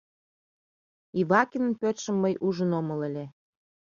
Ивакинын пӧртшым мый ужын омыл ыле.